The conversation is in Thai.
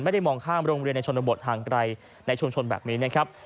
ไม่ได้มองข้ามโรงเรียนในชนบทห่างไกลในชุมชนแบบนี้นะครับ